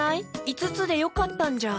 いつつでよかったんじゃ。